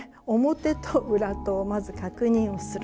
表と裏とをまず確認をする。